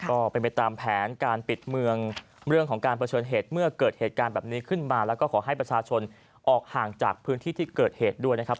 ก็เป็นไปตามแผนการปิดเมืองเรื่องของการเผชิญเหตุเมื่อเกิดเหตุการณ์แบบนี้ขึ้นมาแล้วก็ขอให้ประชาชนออกห่างจากพื้นที่ที่เกิดเหตุด้วยนะครับ